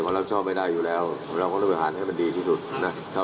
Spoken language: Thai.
พูดเหมือนกันวันนี้นะคะ